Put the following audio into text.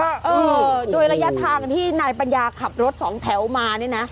เออโดยระยะทางที่นายปัญญาขับรถสองแถวมาเนี่ยนะ